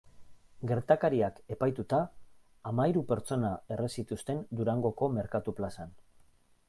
Gertakariak epaituta hamahiru pertsona erre zituzten Durangoko merkatu plazan.